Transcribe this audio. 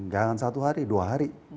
jangan satu hari dua hari